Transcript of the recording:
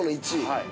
◆はい。